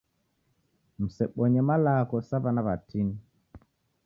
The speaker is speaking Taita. Msebonye malagho sa w'ana w'atini